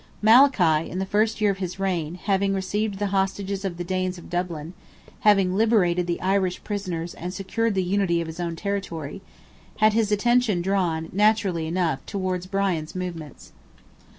Malachy, in the first year of his reign, having received the hostages of the Danes of Dublin, having liberated the Irish prisoners and secured the unity of his own territory, had his attention drawn, naturally enough, towards Brian's movements.